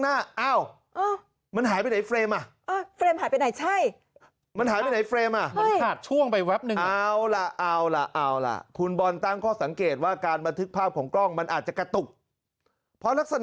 หน้าเอ้ามันหายไปไหนไฟเมล